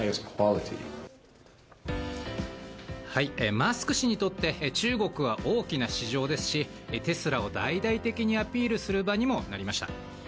マスク氏にとって中国は大きな市場ですしテスラを大々的にアピールする場にもなりました。